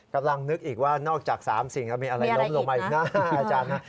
กำลังนึกอีกว่านอกจาก๓สิ่งแล้วมีอะไรล้มลงมาอีกนะอาจารย์นะ